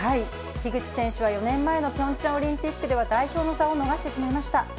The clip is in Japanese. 樋口選手は４年前のピョンチャンオリンピックでは、代表の座を逃してしまいました。